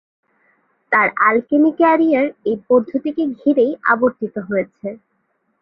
তার alchemy career এই পদ্ধতিকে ঘিরেই আবর্তিত হয়েছে।